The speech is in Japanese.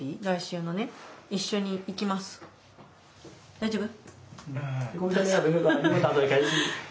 大丈夫？